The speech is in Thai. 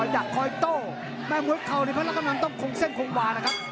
อยากคอยโตแม่มวยเขานี่เพราะเราก็ต้องคงเส้นคงหวานนะครับ